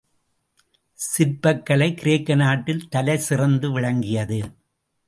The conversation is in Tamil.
சிற்பக்கலை கிரேக்க நாட்டில் தலைசிறந்து விளங்கியது.